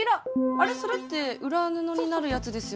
あれそれって裏布になるやつですよね？